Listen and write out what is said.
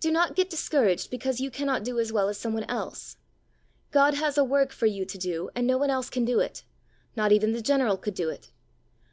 Do not get discouraged because you cannot do as well as someone else. God has a work for you to do, and no one else can do it ; not even The General could do it.